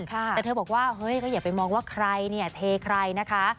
แต่เธอบอกว่าเฮ้ยก็อย่าไปมองว่าใครเนี่ยเทใครนะคะ